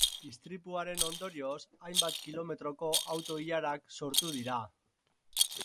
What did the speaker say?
Istripuaren ondorioz, hainbat kilometroko auto-ilarak sortu dira.